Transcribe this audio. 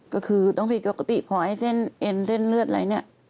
ก็คือต้องผิดปกติพอให้เส้นเอ็นเส้นเลือดอะไรเนี่ย